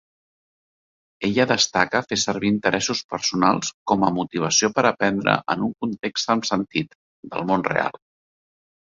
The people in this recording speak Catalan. Ella destaca fer servir interessos personals com a motivació per aprendre en un context amb sentit, del món real.